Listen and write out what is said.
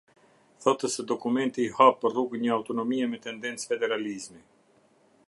Thotë se dokumenti i hapë rrugë një autonomie me tendencë federalizmi.